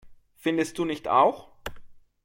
Findest du nicht auch?